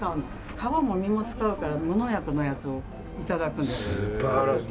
皮も実も使うから無農薬のやつをいただくの。